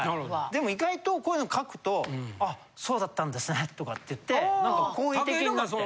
でも意外とこういうのを書くと「ああそうだったんですね」とかって言ってなんか好意的になって。